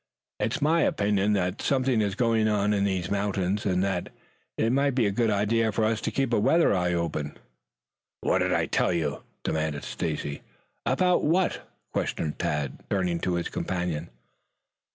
It's my opinion that something is going on in these mountains and that it might be a good idea for us to keep a weather eye open." "What did I tell you?" demanded Stacy. "About what?" questioned Tad, turning to his companion.